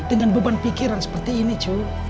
dengan beban pikiran seperti ini cu